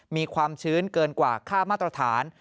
มีความชื้นเกินกว่าค่ามาตรฐาน